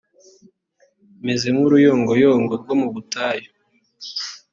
meze nk uruyongoyongo rwo mu butayu